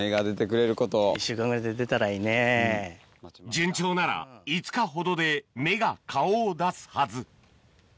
順調なら５日ほどで芽が顔を出すはず